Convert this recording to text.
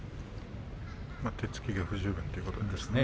手つきが不十分ということで。